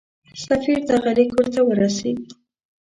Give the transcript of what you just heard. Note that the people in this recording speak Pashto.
سفیر دغه لیک ورته ورسېد.